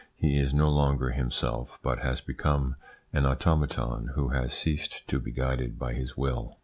He is no longer himself, but has become an automaton who has ceased to be guided by his will.